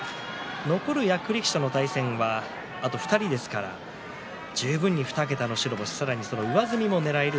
残る役力士との対戦はあと２人ですから十分に２桁の白星さらに上積みを狙える